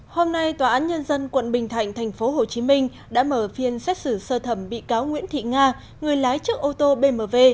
hôm nay tòa án nhân dân quận bình thạnh thành phố hồ chí minh đã mở phiên xét xử sơ thẩm bị cáo nguyễn thị nga người lái chức ô tô bmw